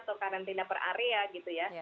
atau karantina per area gitu ya